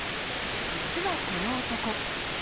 実はこの男。